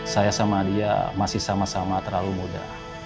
saya sama dia masih sama sama terlalu muda